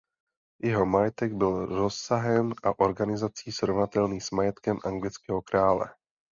Jeho majetek byl rozsahem a organizací srovnatelný s majetkem anglického krále.